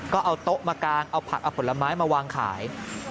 ก็เอาโต๊ะมากางเอาผักเอาผลไม้มาวางขาย